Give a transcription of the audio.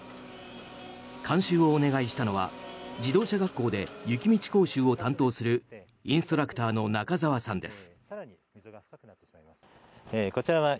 監修をお願いしたのは自動車学校で雪道講習を担当するインストラクターの中澤さんです。